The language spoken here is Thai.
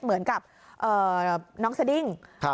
เหมือนกับน้องเสดิ้งนะคะ